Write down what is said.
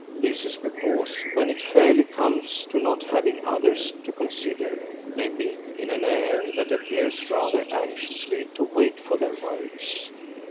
This is because, when it fairly comes to not having others to consider, they meet in an air that appears rather anxiously to wait for their words.